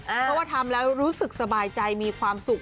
เพราะว่าทำแล้วรู้สึกสบายใจมีความสุข